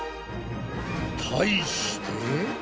対して。